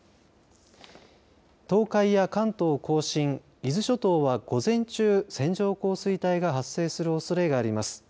東海や関東甲信伊豆諸島は午前中線状降水帯が発生するおそれがあります。